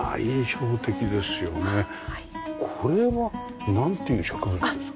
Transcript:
これはなんていう植物ですか？